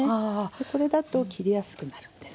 これだと切りやすくなるんです。